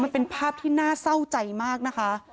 มันเป็นภาพที่น่าเศร้าใจมากนะคะ